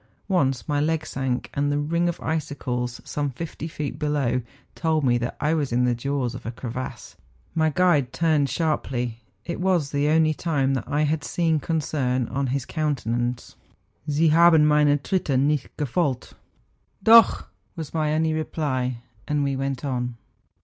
Once my leg sank, and the ring of icicles, some fifty feet below, told me that I was in the jaws of a crevasse; my guide turned sharply—it was the only time that I liad seen concern on bis countenance,— ' Sie haben meine Tritte nicht gefolgt.^ ' Dock /' was my only reply, and we went on.